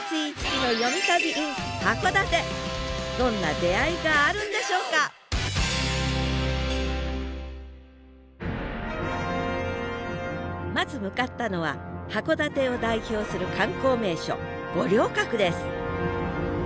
どんな出会いがあるんでしょうかまず向かったのは函館を代表する観光名所五稜郭です